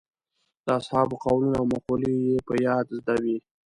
د اصحابو قولونه او مقولې یې په یاد زده وې.